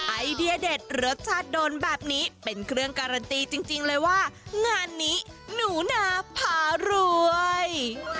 ไอเดียเด็ดรสชาติโดนแบบนี้เป็นเครื่องการันตีจริงเลยว่างานนี้หนูนาพารวย